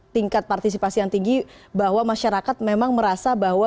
tingkat partisipasi yang tinggi bahwa masyarakat memang merasa bahwa